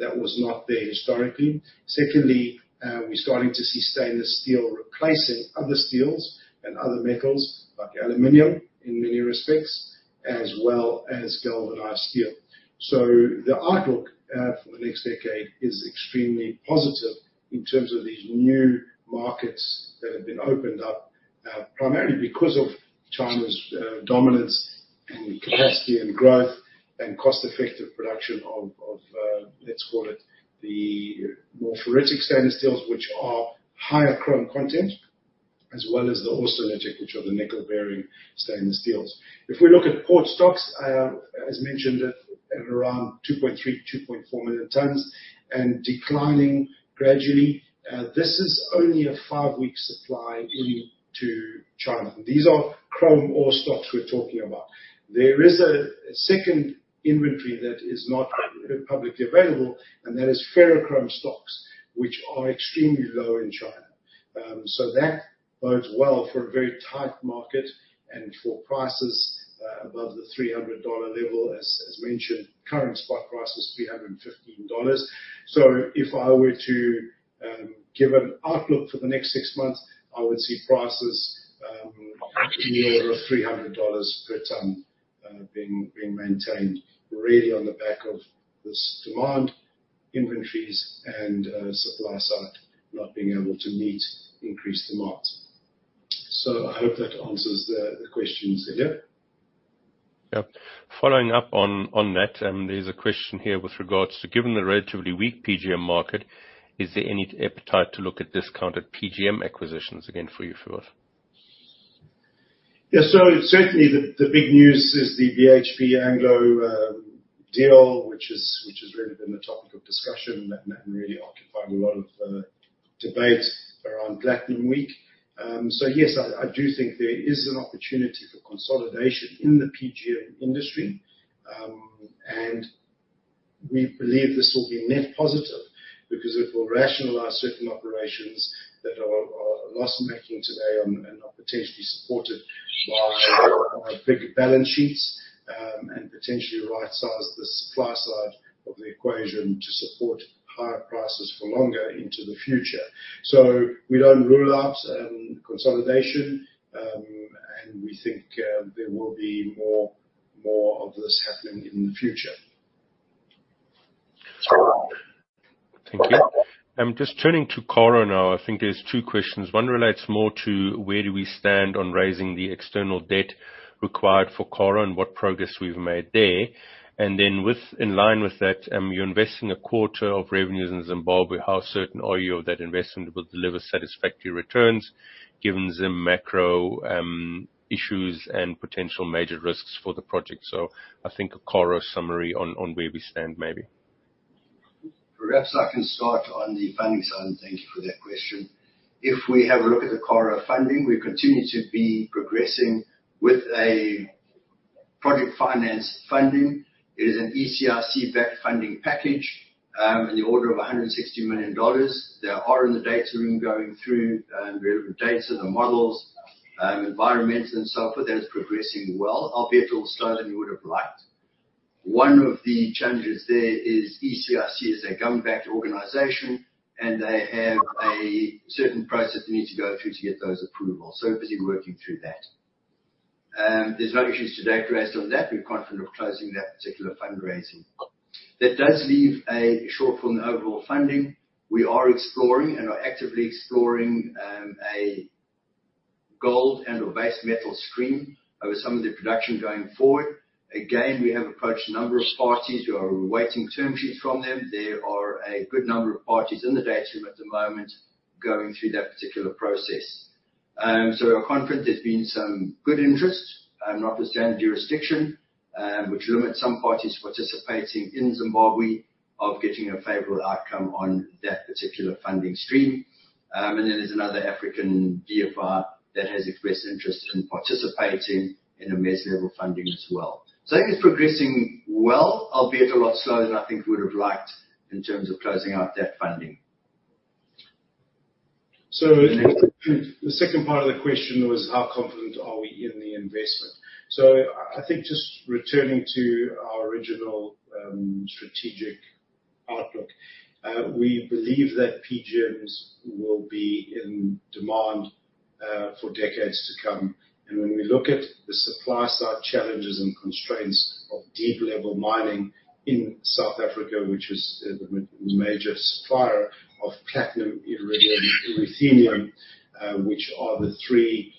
B: that was not there historically. Secondly, we're starting to see stainless steel replacing other steels and other metals like aluminum in many respects, as well as galvanized steel. The outlook for the next decade is extremely positive in terms of these new markets that have been opened up, primarily because of China's dominance and capacity and growth and cost-effective production of, let's call it, the more ferritic stainless steels, which are higher chrome content, as well as the austenitic, which are the nickel-bearing stainless steels. If we look at port stocks, as mentioned, at around 2.3, 2.4 million tons and declining gradually. This is only a five-week supply into China. These are chrome ore stocks we're talking about. There is a second inventory that is not publicly available, and that is ferrochrome stocks, which are extremely low in China. That bodes well for a very tight market and for prices above the $300 level. As mentioned, current spot price is $315. If I were to give an outlook for the next six months, I would see prices in the order of $300 per ton being maintained, really on the back of this demand, inventories, and supply side not being able to meet increased demand. I hope that answers the question, Cedric.
D: Yep. Following up on that, there's a question here with regards to, given the relatively weak PGM market, is there any appetite to look at discounted PGM acquisitions again for you, Phoevos?
B: Certainly, the big news is the BHP Anglo deal, which has really been the topic of discussion and that really occupied a lot of debate around Platinum Week. Yes, I do think there is an opportunity for consolidation in the PGM industry. We believe this will be a net positive because it will rationalize certain operations that are loss-making today and are potentially supported by bigger balance sheets, and potentially right-size the supply side of the equation to support higher prices for longer into the future. We don't rule out consolidation, and we think there will be more of this happening in the future.
D: Thank you. Just turning to Karo now, I think there's two questions. One relates more to where do we stand on raising the external debt required for Karo and what progress we've made there. In line with that, you're investing a quarter of revenues in Zimbabwe. How certain are you that investment will deliver satisfactory returns given Zim macro issues and potential major risks for the project? I think a Karo summary on where we stand, maybe.
C: Perhaps I can start on the funding side. Thank you for that question. If we have a look at the Karo funding, we continue to be progressing with a project finance funding. It is an ECIC-backed funding package in the order of $160 million. They are in the data room going through relevant data, the models, environmental and so forth. That is progressing well, albeit a little slower than we would've liked. One of the challenges there is ECIC is a government-backed organization, and they have a certain process they need to go through to get those approvals. Busy working through that. There's no issues to date raised on that. We're confident of closing that particular fundraising. That does leave a shortfall in the overall funding. We are exploring, and are actively exploring, a gold and/or base metal stream over some of the production going forward. Again, we have approached a number of parties. We are awaiting term sheets from them. There are a good number of parties in the data room at the moment going through that particular process. We are confident there's been some good interest, notwithstanding jurisdiction, which limits some parties participating in Zimbabwe of getting a favorable outcome on that particular funding stream. There's another African DFI that has expressed interest in participating in a mezzanine level funding as well. I think it's progressing well, albeit a lot slower than I think we would've liked in terms of closing out that funding.
B: The second part of the question was how confident are we in the investment. I think just returning to our original strategic outlook, we believe that PGMs will be in demand for decades to come. When we look at the supply side challenges and constraints of deep level mining in South Africa, which is the major supplier of platinum, iridium, ruthenium, which are the three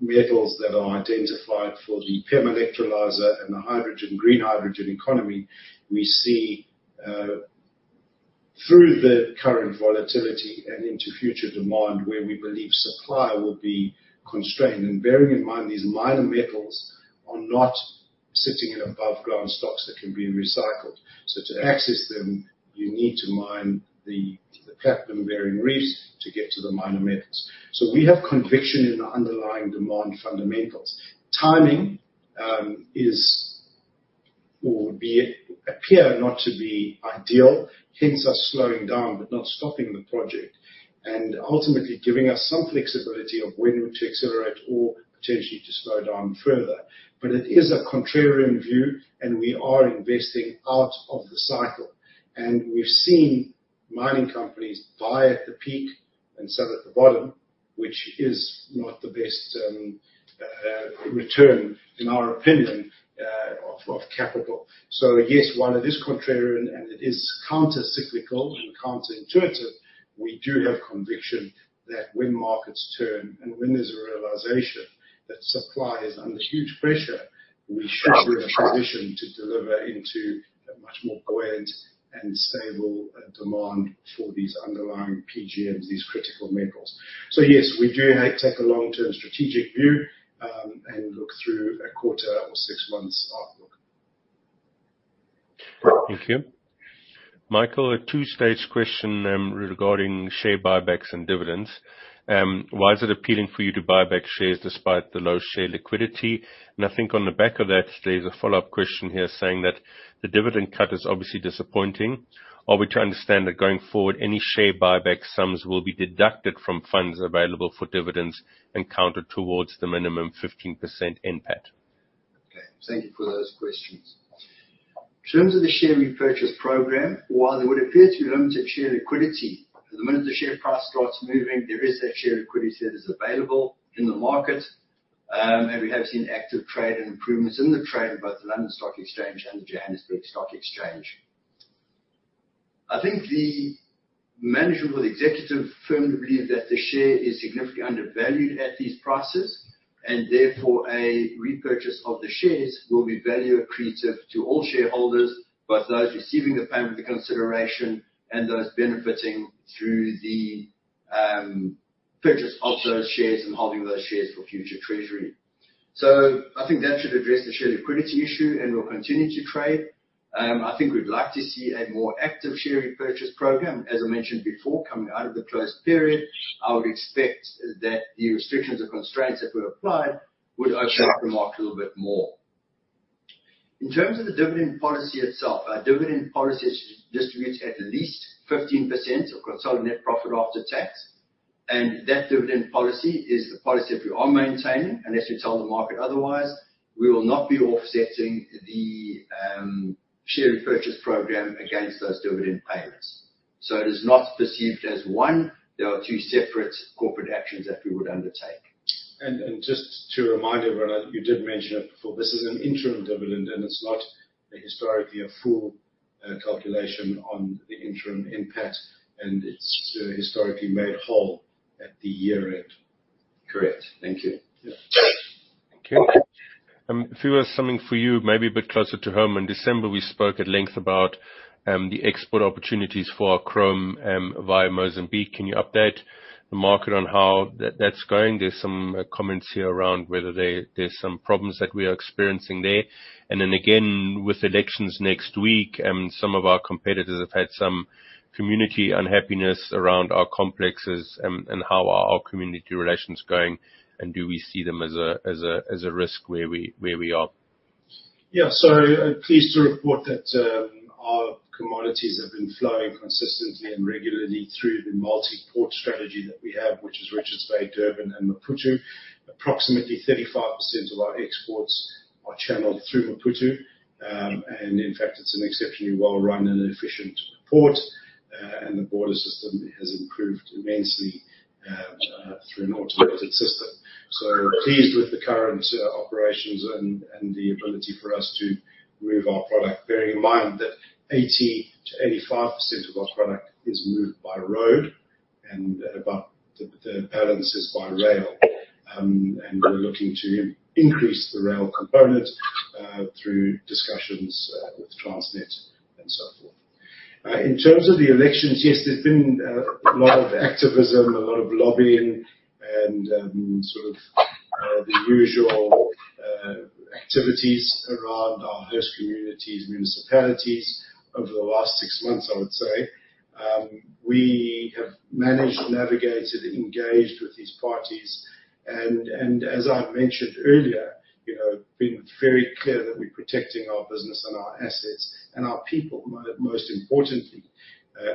B: metals that are identified for the PEM electrolyzer and the green hydrogen economy. We see through the current volatility and into future demand, where we believe supply will be constrained. Bearing in mind these minor metals are not sitting in above ground stocks that can be recycled. To access them, you need to mine the platinum-bearing reefs to get to the minor metals. We have conviction in the underlying demand fundamentals. Timing appear not to be ideal, hence us slowing down but not stopping the project, and ultimately giving us some flexibility of when to accelerate or potentially to slow down further. But it is a contrarian view and we are investing out of the cycle. We've seen mining companies buy at the peak and sell at the bottom. Which is not the best return, in our opinion, of capital. Yes, while it is contrarian and it is counter-cyclical and counter-intuitive, we do have conviction that when markets turn and when there's a realization that supply is under huge pressure, we should be in a position to deliver into a much more buoyant and stable demand for these underlying PGM, these critical metals. Yes, we do take a long-term strategic view, and look through a quarter or six months outlook.
D: Thank you. Michael, a 2-stage question regarding share buybacks and dividends. Why is it appealing for you to buy back shares despite the low share liquidity? I think on the back of that, there's a follow-up question here saying that the dividend cut is obviously disappointing. Are we to understand that going forward, any share buyback sums will be deducted from funds available for dividends and counted towards the minimum 15% NPAT?
C: Okay. Thank you for those questions. In terms of the share repurchase program, while there would appear to be limited share liquidity, the minute the share price starts moving, there is that share liquidity that is available in the market. We have seen active trade and improvements in the trade in both the London Stock Exchange and the Johannesburg Stock Exchange. I think the management or the executive firmly believe that the share is significantly undervalued at these prices, and therefore, a repurchase of the shares will be value accretive to all shareholders, both those receiving the payment of the consideration and those benefiting through the purchase of those shares and holding those shares for future treasury. I think that should address the share liquidity issue, and we'll continue to trade. I think we'd like to see a more active share repurchase program. As I mentioned before, coming out of the closed period, I would expect that the restrictions or constraints that were applied would open up the market a little bit more. In terms of the dividend policy itself, our dividend policy is to distribute at least 15% of consolidated net profit after tax. That dividend policy is the policy that we are maintaining unless we tell the market otherwise. We will not be offsetting the share repurchase program against those dividend payments. It is not perceived as one. There are two separate corporate actions that we would undertake.
B: Just to remind everyone, you did mention it before, this is an interim dividend, and it's not historically a full calculation on the interim NPAT, and it's historically made whole at the year-end.
C: Correct. Thank you.
B: Yeah.
D: Thank you. Phoevos, something for you, maybe a bit closer to home. In December, we spoke at length about the export opportunities for our chrome via Mozambique. Can you update the market on how that's going? There's some comments here around whether there's some problems that we are experiencing there. With elections next week, some of our competitors have had some community unhappiness around our complexes and how are our community relations going, and do we see them as a risk where we are?
B: Pleased to report that our commodities have been flowing consistently and regularly through the multi-port strategy that we have, which is Richards Bay, Durban and Maputo. Approximately 35% of our exports are channeled through Maputo. In fact, it's an exceptionally well-run and efficient port, and the border system has improved immensely through an automated system. Pleased with the current operations and the ability for us to move our product, bearing in mind that 80%-85% of our product is moved by road and about the balance is by rail. We're looking to increase the rail component, through discussions with Transnet and so forth. In terms of the elections, yes, there's been a lot of activism, a lot of lobbying and sort of the usual activities around our host communities, municipalities over the last six months, I would say. We have managed, navigated, engaged with these parties and as I've mentioned earlier, been very clear that we're protecting our business and our assets and our people, most importantly,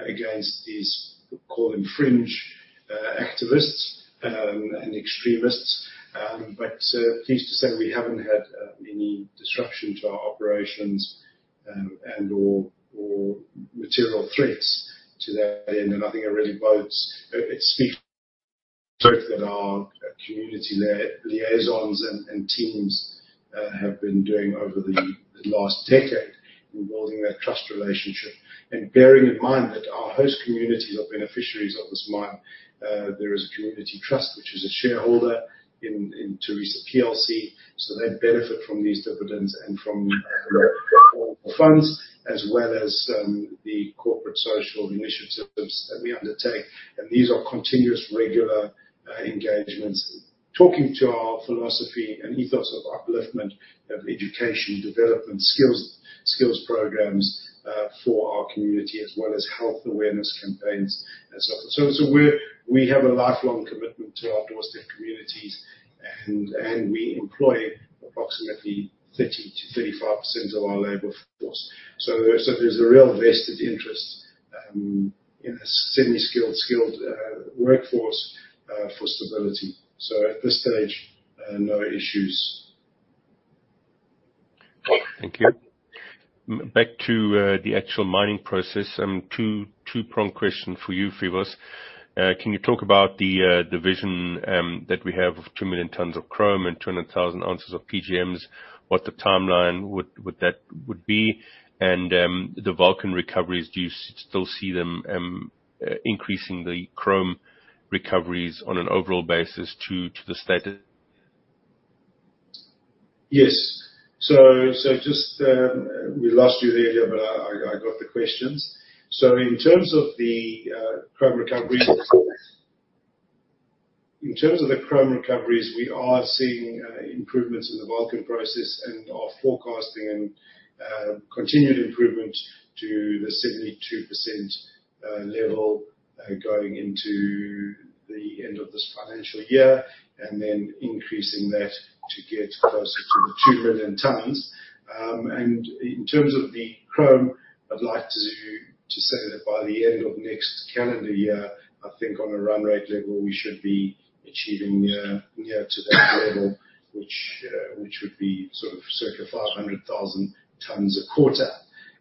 B: against these, call them fringe activists, and extremists. Pleased to say we haven't had any disruption to our operations, and/or material threats to that end. I think it really speaks both that our community liaisons and teams have been doing over the last decade in building that trust relationship. Bearing in mind that our host communities are beneficiaries of this mine. There is a community trust, which is a shareholder in Tharisa Plc. They benefit from these dividends and from funds as well as the corporate social initiatives that we undertake. These are continuous regular engagements, talking to our philosophy and ethos of upliftment, of education, development, skills programs, for our community as well as health awareness campaigns and so forth. We have a lifelong commitment to our doorstep communities and we employ approximately 30%-35% of our labor force. There's a real vested interest, in a semi-skilled, skilled workforce, for stability. At this stage, no issues.
D: Thank you. Back to the actual mining process. Two-pronged question for you, Phoevos. Can you talk about the vision that we have of 2 million tons of chrome and 200,000 ounces of PGMs, what the timeline would be, and the Vulcan recoveries, do you still see them increasing the chrome recoveries on an overall basis to the status?
B: Yes. We lost you there, but I got the questions. In terms of the chrome recoveries, we are seeing improvements in the Vulcan process and are forecasting a continued improvement to the 72% level going into the end of this financial year, then increasing that to get closer to the 2 million tons. In terms of the chrome, I'd like to say that by the end of next calendar year, I think on a run rate level, we should be achieving near to that level, which would be circa 500,000 tons a quarter.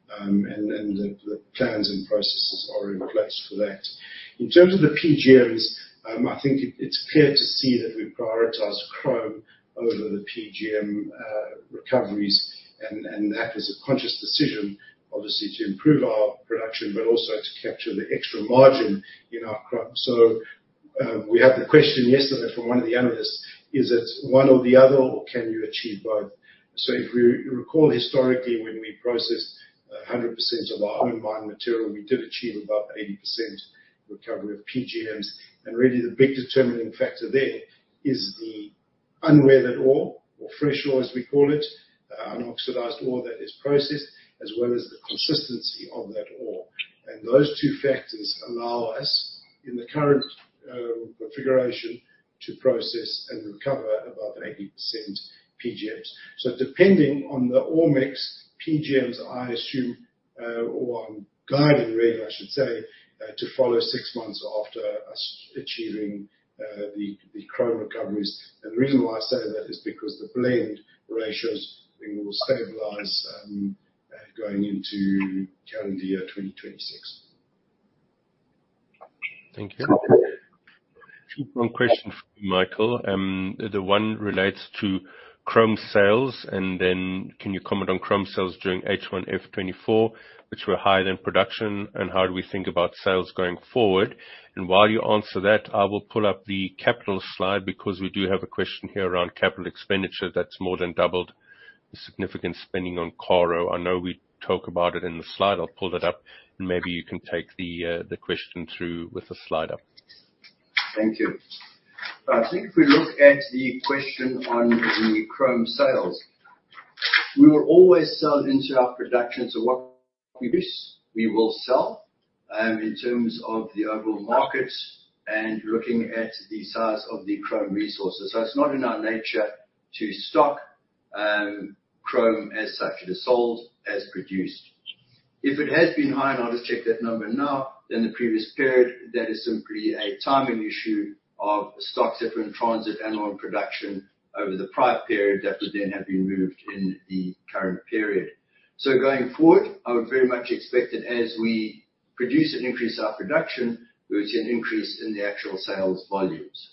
B: The plans and processes are in place for that. In terms of the PGMs, I think it's clear to see that we've prioritized chrome over the PGM recoveries, and that was a conscious decision, obviously, to improve our production, but also to capture the extra margin in our chrome. We had the question yesterday from one of the analysts, is it one or the other, or can you achieve both? If we recall historically, when we processed 100% of our own mined material, we did achieve above 80% recovery of PGMs. Really the big determining factor there is the unweathered ore, or fresh ore as we call it, unoxidized ore that is processed, as well as the consistency of that ore. Those two factors allow us, in the current configuration, to process and recover above 80% PGMs. Depending on the ore mix, PGMs, I assume, or on guide, really, I should say, to follow six months after us achieving the chrome recoveries. The reason why I say that is because the blend ratios will stabilize going into calendar year 2026.
D: Thank you. Two-pronged question for you, Michael. The one relates to chrome sales, then can you comment on chrome sales during H1 FY 2024, which were higher than production, and how do we think about sales going forward? While you answer that, I will pull up the capital slide because we do have a question here around capital expenditure that's more than doubled the significant spending on Karo. I know we talk about it in the slide. I'll pull it up and maybe you can take the question through with the slide up.
C: Thank you. I think if we look at the question on the chrome sales, we will always sell into our production. What we produce, we will sell, in terms of the overall market and looking at the size of the chrome resources. It's not in our nature to stock chrome as such. It is sold as produced. If it has been high, I'll just check that number now, than the previous period, that is simply a timing issue of stocks that were in transit and were in production over the prior period that would then have been moved in the current period. Going forward, I would very much expect that as we produce and increase our production, we will see an increase in the actual sales volumes.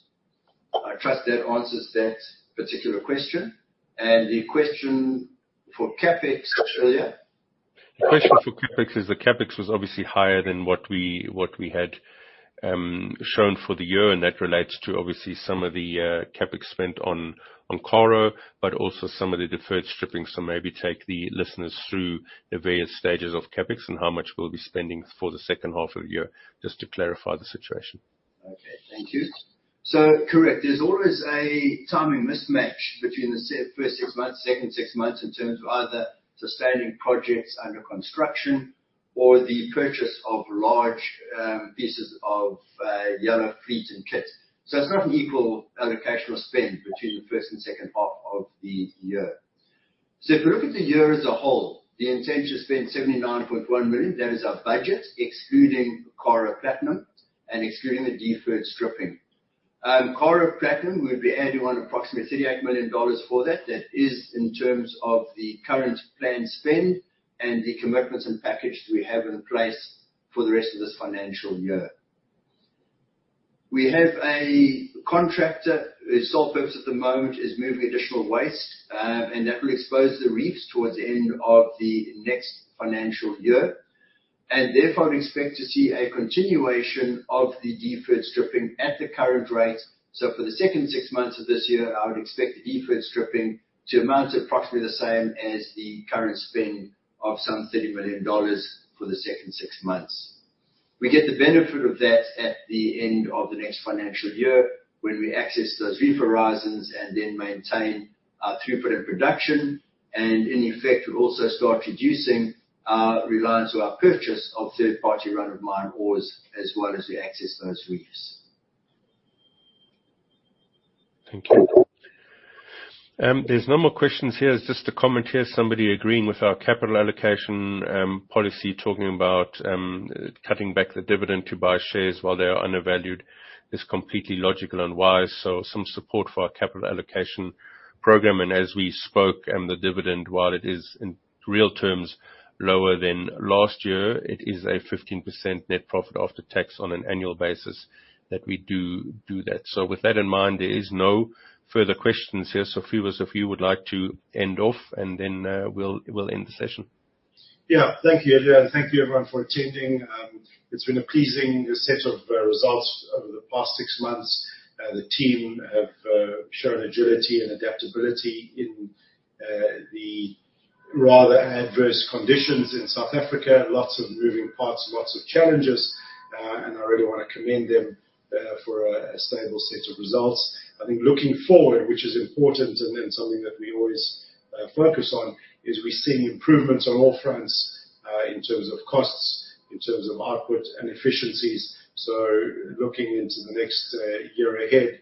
C: I trust that answers that particular question. The question for CapEx just earlier?
D: The question for CapEx is the CapEx was obviously higher than what we had shown for the year, and that relates to obviously some of the CapEx spent on Karo, but also some of the deferred stripping. Maybe take the listeners through the various stages of CapEx and how much we will be spending for the second half of the year, just to clarify the situation.
C: Okay. Thank you. Correct, there's always a timing mismatch between the first six months, second six months in terms of either sustaining projects under construction or the purchase of large pieces of yellow fleet and kits. It's not an equal allocation of spend between the first and second half of the year. If you look at the year as a whole, the intention to spend $79.1 million, that is our budget, excluding Karo Platinum and excluding the deferred stripping. Karo Platinum, we'd be adding on approximately $38 million for that. That is in terms of the current planned spend and the commitments and package that we have in place for the rest of this financial year. We have a contractor whose sole purpose at the moment is moving additional waste, and that will expose the reefs towards the end of the next financial year, and therefore expect to see a continuation of the deferred stripping at the current rate. For the second six months of this year, I would expect the deferred stripping to amount to approximately the same as the current spend of some $30 million for the second six months. We get the benefit of that at the end of the next financial year when we access those reef horizons and then maintain our throughput and production, and in effect, we also start reducing our reliance on our purchase of third-party run-of-mine ores as well as we access those reefs.
D: Thank you. There's no more questions here. It's just a comment here, somebody agreeing with our capital allocation policy, talking about cutting back the dividend to buy shares while they are undervalued is completely logical and wise. Some support for our capital allocation program. As we spoke, and the dividend, while it is in real terms lower than last year, it is a 15% net profit after tax on an annual basis that we do do that. With that in mind, there is no further questions here. Phoevos, if you would like to end off and then we'll end the session.
B: Yeah. Thank you, Ilja. Thank you, everyone, for attending. It's been a pleasing set of results over the past six months. The team have shown agility and adaptability in the rather adverse conditions in South Africa. Lots of moving parts, lots of challenges, and I really want to commend them for a stable set of results. I think looking forward, which is important and then something that we always focus on, is we're seeing improvements on all fronts, in terms of costs, in terms of output and efficiencies. Looking into the next year ahead,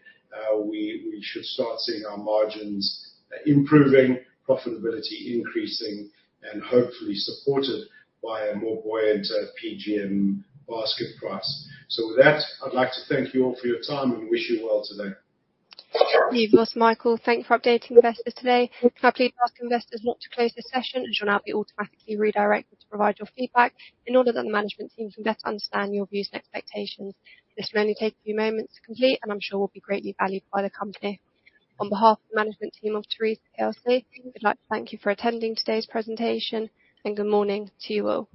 B: we should start seeing our margins improving, profitability increasing, and hopefully supported by a more buoyant PGM basket price. With that, I'd like to thank you all for your time and wish you well today.
A: Thank you, Michael. Thanks for updating investors today. Can I please ask investors not to close the session, as you'll now be automatically redirected to provide your feedback in order that the management team can better understand your views and expectations. This will only take a few moments to complete and I'm sure will be greatly valued by the company. On behalf of the management team of Tharisa PLC, we'd like to thank you for attending today's presentation and good morning to you all.